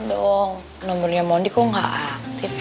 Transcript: nih dong nomernya mondi kok gak aktif ya